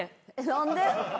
何で？